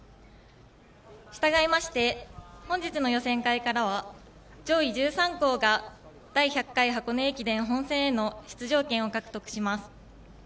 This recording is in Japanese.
したがいまして、本日の予選会からは上位１３校が第１００回箱根駅伝本選への出場権を獲得します。